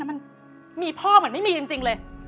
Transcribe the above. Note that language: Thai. มันมีพ่อเหมือนไม่มีจริงเลย